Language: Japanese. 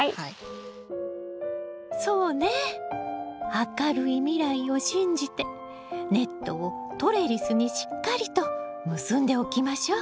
明るい未来を信じてネットをトレリスにしっかりと結んでおきましょう。